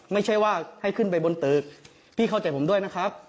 ไม่ใช่ว่าให้ขึ้นไปบนตึกพี่เข้าใจผมด้วยนะครับ